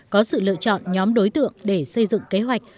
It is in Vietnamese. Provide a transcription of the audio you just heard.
có sự lựa chọn nhóm đối tượng để xây dựng kế hoạch